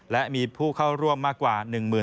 และมีผู้เข้าร่วมมากกว่า๑๐๐๐